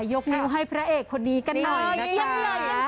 ยกนิ้วให้พระเอกคนนี้กันหน่อยนะคะ